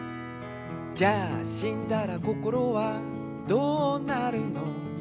「じゃあしんだらこころはどうなるの？」